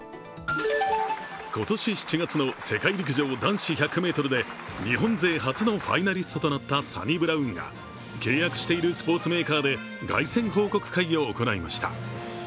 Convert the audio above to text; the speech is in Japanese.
今年７月の世界陸上男子１００ｍで日本勢初のファイナリストとなったサニブラウンが、契約しているスポーツメーカーで凱旋報告会を行いました。